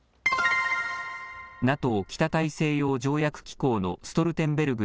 ＮＡＴＯ・北大西洋条約機構のストルテンベルグ